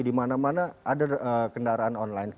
dimana mana ada kendaraan online